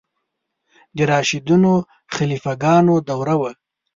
د راشدینو خلیفه ګانو دوره وه.